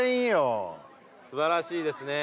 素晴らしいですね